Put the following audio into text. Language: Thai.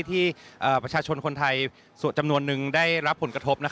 ที่ประชาชนคนไทยส่วนจำนวนนึงได้รับผลกระทบ